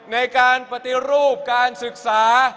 ในการปฏิรูปการศึกษา